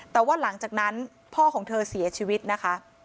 แต่ว่าหลังจากนั้นพ่อของเธอเสียชีวิตนะคะ